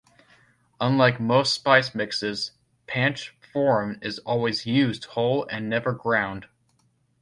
Unlike most spice mixes, panch phoron is always used whole and never ground.